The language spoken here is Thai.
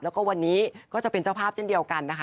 แล้วก็วันนี้ก็จะเป็นเจ้าภาพเช่นเดียวกันนะคะ